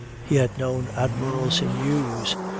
He had known Admiral Simeuse, M.